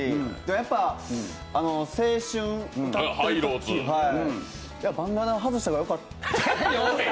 やっぱ「青春」歌ってバンダナ、外した方がよかっおい！